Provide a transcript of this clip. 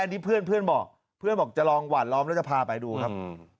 ใดอันดีเพื่อนพี่บอกแบบแบบจะลองหวั่นลองและจะพาไปดูครับ